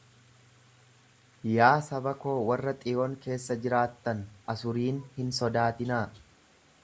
Yaa saba koo warra Xiyoon keessa jiraattan Asuriin hin sodaatinaa.